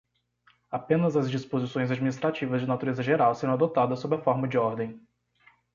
Apenas as disposições administrativas de natureza geral serão adotadas sob a forma de ordem.